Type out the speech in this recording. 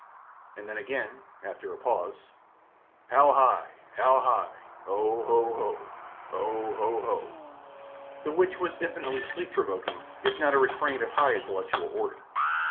and then again after a pause How high, how high Oh, ho, oh, Oh, ho, oh. the which was infinitely sleep provoking if not a refrain of a high intellectual order.